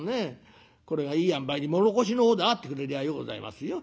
これがいいあんばいに唐土の方であってくれりゃようございますよ。